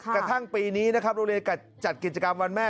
กระทั่งปีนี้นะครับโรงเรียนจัดกิจกรรมวันแม่